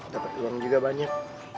dapat uang juga banyak